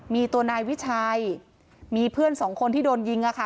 มีตัวนายวิชัยมีเพื่อนสองคนที่โดนยิงอะค่ะ